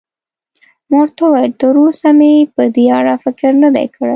ما ورته وویل: تراوسه مې په دې اړه فکر نه دی کړی.